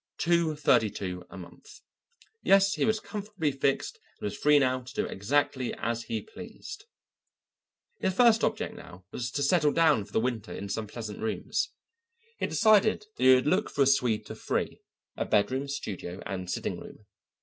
Two thirty two a month. Yes, he was comfortably fixed and was free now to do exactly as he pleased. His first object now was to settle down for the winter in some pleasant rooms. He had decided that he would look for a suite of three a bedroom, studio, and sitting room.